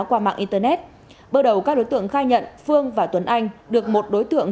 qua mạng internet bước đầu các đối tượng khai nhận phương và tuấn anh được một đối tượng